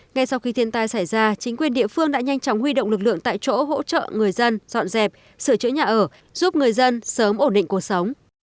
ngay sau khi thiên tai xảy ra chính quyền địa phương đã nhanh chóng huy động lực lượng tại chỗ hỗ trợ người dân dọn dẹp sửa chữa nhà ở giúp người dân sớm ổn định cuộc sống